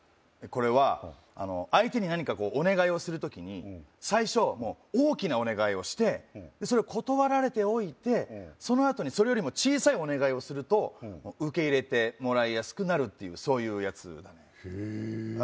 これは相手に何かお願いをする時に最初大きなお願いをしてそれを断られておいてそのあとにそれよりも小さいお願いをすると受け入れてもらいやすくなるっていうそういうやつだねへえ